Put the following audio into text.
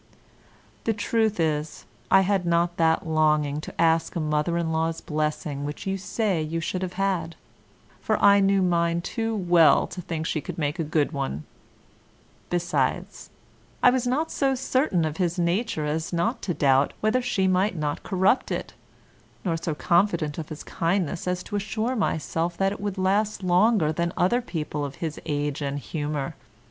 The truth is, I had not that longing to ask a mother in law's blessing which you say you should have had, for I knew mine too well to think she could make a good one; besides, I was not so certain of his nature as not to doubt whether she might not corrupt it, nor so confident of his kindness as to assure myself that it would last longer than other people of his age and humour.